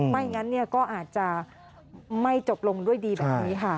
ไม่งั้นก็อาจจะไม่จบลงด้วยดีแบบนี้ค่ะ